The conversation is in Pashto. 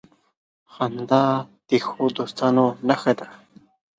• خندا د ښو دوستانو نښه ده.